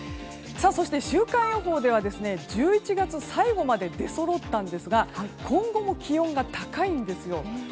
そして週間予報では１１月最後まで出そろったんですが今後も気温が高いんですよ。